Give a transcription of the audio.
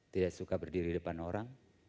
tidak suka berdiri di depan orang